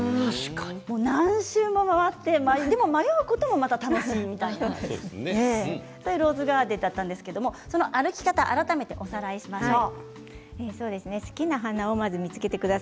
何周も回って、でも迷うこともまた楽しいみたいなローズガーデンだったんですけど歩き方改めておさらいしましょう。